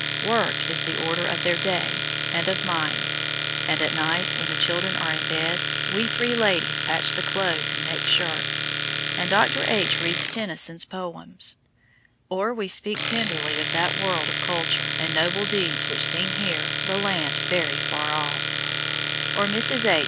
Work is the order of their day, and of mine, and at night, when the children are in bed, we three ladies patch the clothes and make shirts, and Dr. H. reads Tennyson's poems, or we speak tenderly of that world of culture and noble deeds which seems here "the land very far off," or Mrs. H.